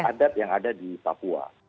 adat yang ada di papua